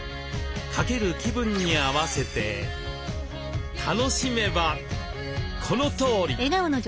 掛ける気分に合わせて楽しめばこのとおり！